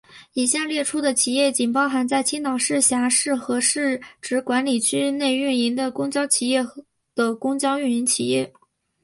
以下列出的企业仅包含在青岛市辖区和市直管理区内运营的公交企业的公交运营企业。